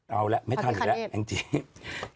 เอาละไม่ทันอีกแล้วแหละจริง